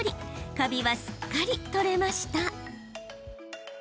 カビは、すっかり取れました。